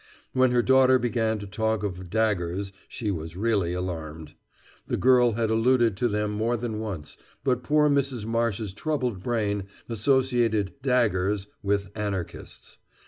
When her daughter began to talk of "daggers" she was really alarmed. The girl had alluded to them more than once, but poor Mrs. Marsh's troubled brain associated "daggers" with Anarchists.